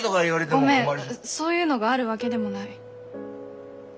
ごめんそういうのがあるわげでもない。